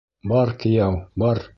Бар, кейәү, бар!